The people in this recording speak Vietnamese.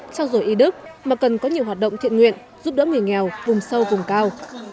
trao dổi y đức mà cần có nhiều hoạt động thiện nguyện giúp đỡ người nghèo vùng sâu vùng cao